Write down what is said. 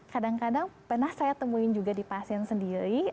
kadang kadang pernah saya temuin juga di pasien sendiri